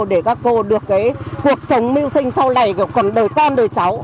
để các cô được cuộc sống mưu sinh sau này còn đời con đời cháu